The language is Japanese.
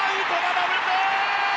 ダブルプレイ！